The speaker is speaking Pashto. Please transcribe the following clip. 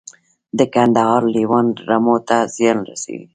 د کندهار لیوان رمو ته زیان رسوي؟